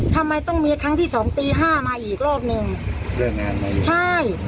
ทำไมต้องมีครั้งที่สองตีห้ามาอีกรอบหนึ่งเรื่องงานมาอีกใช่